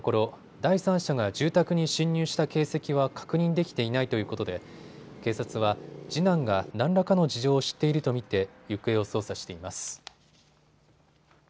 第三者が住宅に侵入した形跡は確認できていないということで警察は次男が何らかの事情を知っていると見て行方を捜査しています。